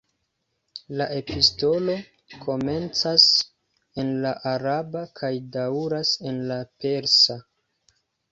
La epistolo komencas en la araba kaj daŭras en la persa.